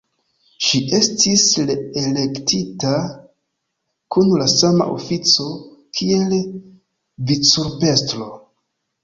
Ŝi estis reelektita kun la sama ofico kiel vicurbestro.